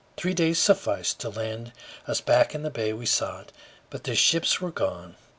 Three days sufficed to land us back in the bay we sought, but the ships were gone.